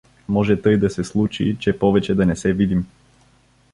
Може тъй да се случи, че повече да не се видим.